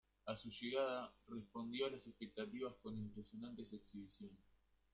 A su llegada, respondió a las expectativas con impresionantes exhibiciones.